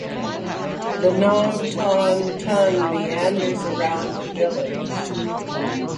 The Nam Ton Tun meanders around the village.